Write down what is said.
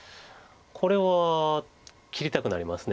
これは切りたくなります。